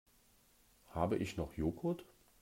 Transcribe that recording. Habe ich noch Joghurt?